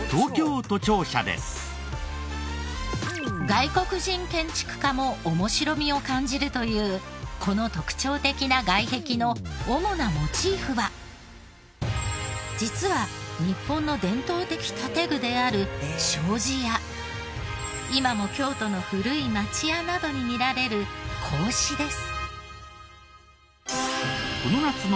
外国人建築家も面白みを感じるというこの特徴的な実は日本の伝統的建具である障子や今も京都の古い町家などに見られる格子です。